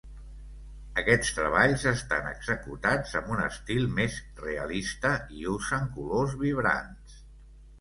Aquests treballs estan executats amb un estil més realista i usen colors vibrants.